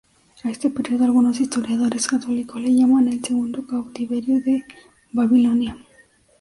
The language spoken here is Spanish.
A este periodo algunos historiadores católicos le llaman el "Segundo cautiverio de Babilonia".